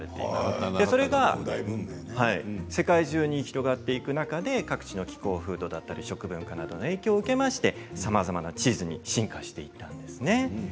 それが世界中で広がっていく中で各地の気候風土や食文化などの影響を受けてさまざまなチーズに進化していったんですね。